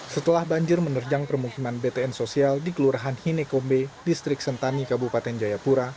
setelah banjir menerjang permukiman btn sosial di kelurahan hinekombe distrik sentani kabupaten jayapura